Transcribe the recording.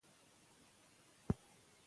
راز راز بدني حرکتونه ګټور دي.